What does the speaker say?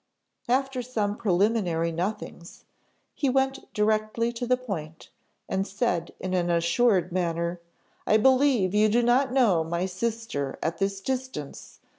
After some preliminary nothings, he went directly to the point; and said in an assured manner, 'I believe you do not know my sister at this distance.